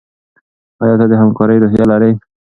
ایا ته د همکارۍ روحیه لرې؟